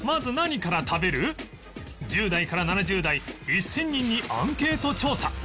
１０代から７０代１０００人にアンケート調査